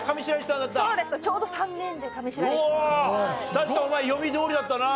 確かにお前読みどおりだったな。